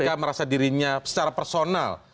ketika merasa dirinya secara personal